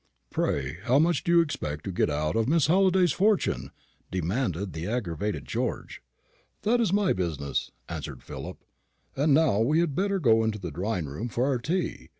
"Pray how much do you expect to get out of Miss Halliday's fortune?" demanded the aggravated George. "That is my business," answered Philip. "And now we had better go into the drawing room for our tea.